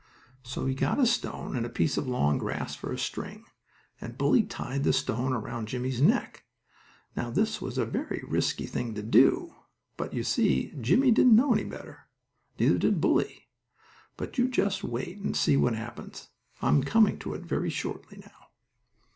So he got a stone and a piece of long grass for a string, and Bully tied the stone around Jimmie's neck. Now, this was a very risky thing to do, but, you see, Jimmie didn't know any better. Neither did Bully. But you just wait and see what happens. I'm coming to it very shortly now.